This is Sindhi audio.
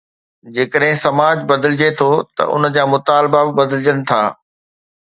جيڪڏهن سماج بدلجي ٿو ته ان جا مطالبا به بدلجن ٿا.